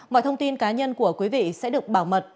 mọi thông tin cá nhân của quý vị sẽ được bảo mật